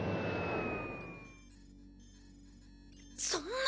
そんな。